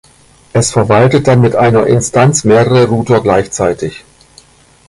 Es verwaltet dann mit einer Instanz mehrere Router gleichzeitig.